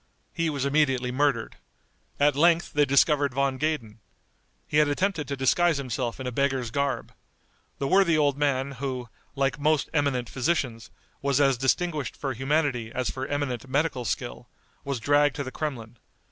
He was immediately murdered. At length they discovered Von Gaden. He had attempted to disguise himself in a beggar's garb. The worthy old man, who, like most eminent physicians, was as distinguished for humanity as for eminent medical skill, was dragged to the Kremlin.